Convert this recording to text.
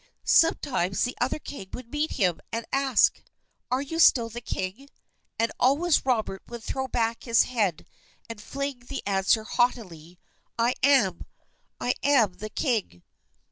Sometimes the other king would meet him, and ask, "Are you still the king?" and always Robert would throw back his head and fling the answer haughtily, "I am, I am the king!"